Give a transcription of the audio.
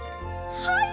はい！